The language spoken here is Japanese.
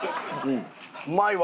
うまいわ！